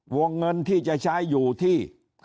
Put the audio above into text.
วงเงินที่จะใช้อยู่ที่